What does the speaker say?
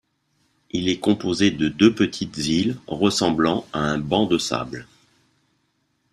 Il est composé de deux petites îles ressemblant à un banc de sable.